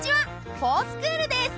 ｆｏｒＳｃｈｏｏｌです！